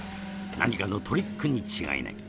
何かのトリックに違いない